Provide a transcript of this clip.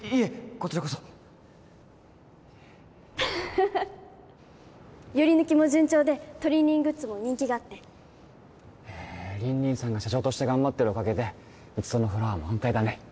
こちらこそヨリヌキも順調でトリンリングッズも人気があってへえ凜々さんが社長として頑張ってるおかげで蜜園フラワーも安泰だね